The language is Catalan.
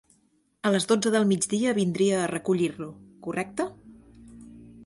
A les dotze del migdia vindria a recollir-lo, correcte?